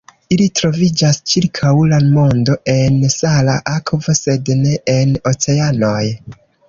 Ili troviĝas ĉirkaŭ la mondo en sala akvo, sed ne en oceanoj.